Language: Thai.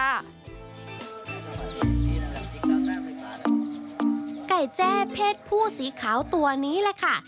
ไก่แจ้เพศผู้สีขาวตัวนี้แหละค่ะ